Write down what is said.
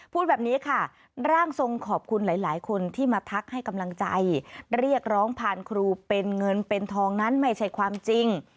พูดแบบนี้ค่ะร่างทรงขอบคุณหลายคนที่มาทักให้กำลังใจเรียกร้องผ่านครูเป็นเงินเป็นทองนั้นไม่ใช่ความจริง